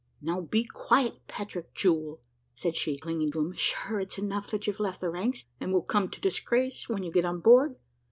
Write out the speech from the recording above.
"Now be quiet, Patrick, jewel," said she, clinging to him, "sure it's enough that you've left the ranks, and will come to disgrace when you get on board.